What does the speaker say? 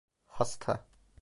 Hasta.